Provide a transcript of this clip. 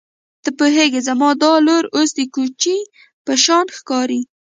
ته پوهېږې زما دا لور اوس د کوچۍ په شان ښکاري.